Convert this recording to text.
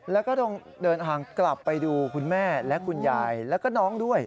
แล้วก็ต้องเดินทางกลับไปดูคุณแม่และคุณยายแล้วก็น้องด้วย